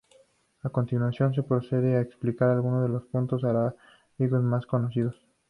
A continuación, se procede a explicar algunos de los puntos arábigos más conocidos.